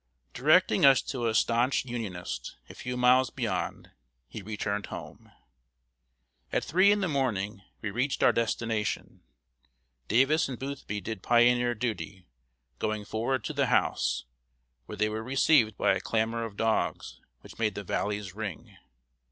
Directing us to a stanch Unionist, a few miles beyond, he returned home. At three in the morning, we reached our destination. Davis and Boothby did pioneer duty, going forward to the house, where they were received by a clamor of dogs, which made the valleys ring.